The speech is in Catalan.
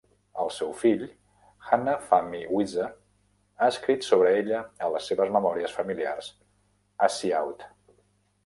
El seu fill, Hanna Fahmy Wissa, ha escrit sobre ella a les seves memòries familiars "Assiout".